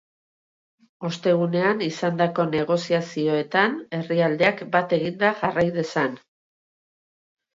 Ostegunean izandako negoziazioetan herrialdeak bat eginda jarrai dezan.